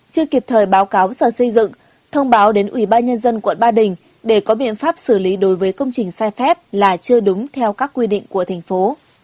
chưa kịp thời báo cáo sở xây dựng thông báo đến ủy ban nhân dân quận ba đình để có biện pháp xử lý đối với công trình sai phép là chưa đúng theo các quy định của thành phố